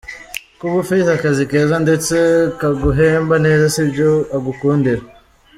Kuba ufite akazi keza ndetse kaguhemba neza sibyo agukundira.